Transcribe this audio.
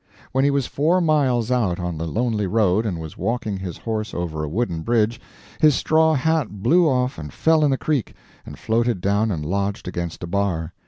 When he was four miles out on the lonely road and was walking his horse over a wooden bridge, his straw hat blew off and fell in the creek, and floated down and lodged against a bar.